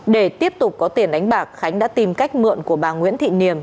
để tiếp tục có tiền đánh bạc khánh đã tìm cách mượn của bà nguyễn thị niềm